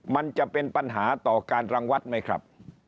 มันจะเป็นปัญหาต่อการรังวัดไหมครับ